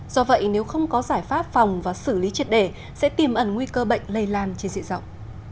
do vậy nếu không có giải pháp phòng và xử lý triệt đề sẽ tìm ẩn nguy cơ bệnh lây lan trên dịa rộng